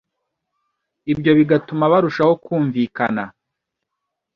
ibyo bigatuma barushaho kumvikana.